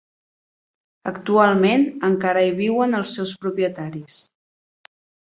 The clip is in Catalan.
Actualment encara hi viuen els seus propietaris.